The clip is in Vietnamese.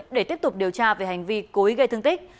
để tiếp tục điều tra về hành vi cối gây thương tích